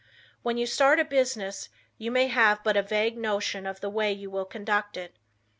When you start a business you may have but a vague notion of the way you will conduct it.